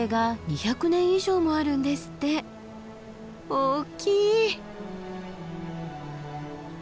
大きい。